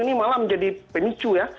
ini malah menjadi pemicu ya